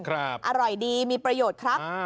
อร่อยดีมีประโยชน์ครับ